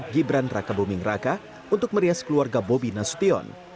gibran raka buming raka untuk merias keluarga bobina sution